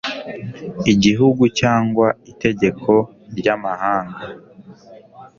igihugu cyangwa itegeko ry amahanga